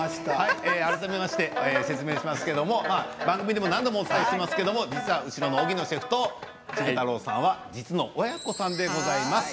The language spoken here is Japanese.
改めて説明しますけれど何度も何度もお伝えしていますけれど荻野シェフと鶴太郎さんは実の親子さんでございます。